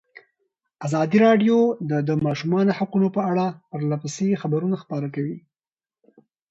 ازادي راډیو د د ماشومانو حقونه په اړه پرله پسې خبرونه خپاره کړي.